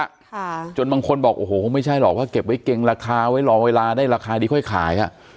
ค่ะจนบางคนบอกโอ้โหคงไม่ใช่หรอกว่าเก็บไว้เกรงราคาไว้รอเวลาได้ราคาดีค่อยขายอ่ะ